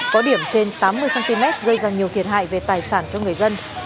có điểm trên tám mươi cm gây ra nhiều thiệt hại về tài sản cho người dân